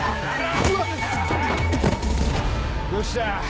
どうした？